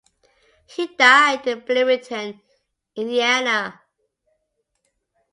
He died in Bloomington, Indiana.